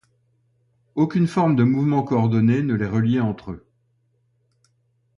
Aucune forme de mouvement coordonné ne les reliait entre eux.